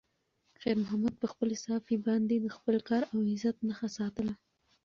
خیر محمد په خپلې صافې باندې د خپل کار او عزت نښه ساتله.